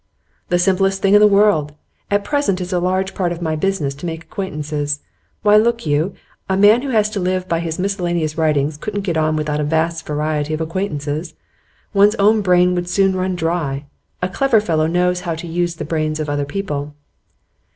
'The simplest thing in the world. At present it's a large part of my business to make acquaintances. Why, look you; a man who has to live by miscellaneous writing couldn't get on without a vast variety of acquaintances. One's own brain would soon run dry; a clever fellow knows how to use the brains of other people.